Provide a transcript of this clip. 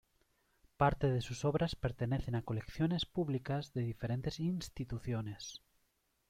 Parte de sus obras pertenecen a colecciones públicas de diferentes instituciones.